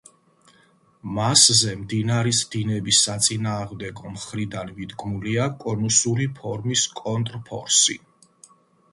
მასზე მდინარის დინების საწინააღმდეგო მხრიდან მიდგმულია კონუსური ფორმის კონტრფორსი.